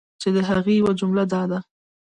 چی د هغی یوه جمله دا ده